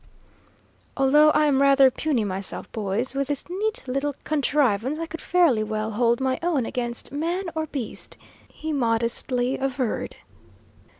"Although I am rather puny myself, boys, with this neat little contrivance I could fairly well hold my own against man or beast," he modestly averred.